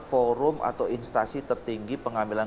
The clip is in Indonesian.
forum atau instasi tertinggi pengambilan